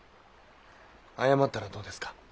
謝ったらどうですか？